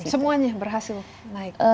semuanya berhasil naik